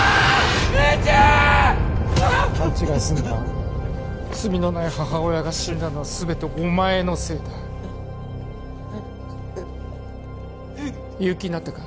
勘違いすんな罪のない母親が死んだのは全てお前のせいだ言う気になったか？